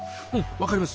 分かります！